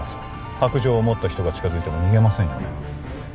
白杖を持った人が近づいても逃げませんよね？